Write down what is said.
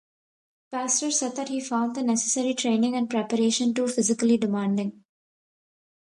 Pastore said that he found the necessary training and preparation too physically demanding.